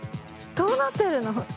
どうなってるの？